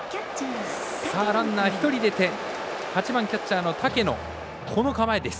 ランナー１人出て８番キャッチャーの竹野。